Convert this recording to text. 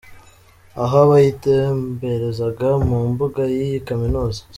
Aha bayitemberezaga mu mbuga y'iyi kaminuza.